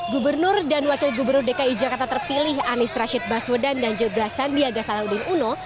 gubernur dan wakil gubernur dki jakarta terpilih anies rashid baswedan dan juga sandiaga salahuddin uno